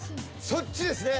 そっちですね。